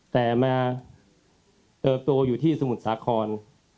แต่มาเติบโตอยู่ที่สมุทรสาคร